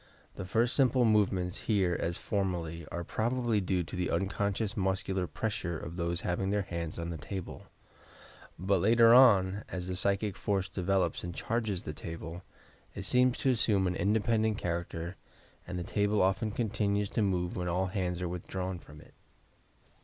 The first simple movements, here as formerly, are prob ably due to the unconscious nmseular pressures of those having their hands on the table; but later on, as the psychic force develops and charges the table, it seems to assume an independent character and the table often continues to move when all bands are withdrawn from it.